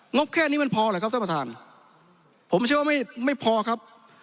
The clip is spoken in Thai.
บแค่นี้มันพอเหรอครับท่านประธานผมเชื่อว่าไม่ไม่พอครับ